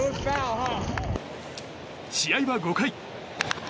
試合は５回。